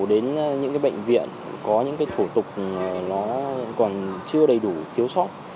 đến những bệnh viện có những thủ tục chưa đầy đủ thiếu sóc